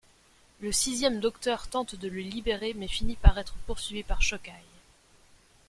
Le Sixième Docteur tente de le libérer mais fini par être poursuivit par Shockeye.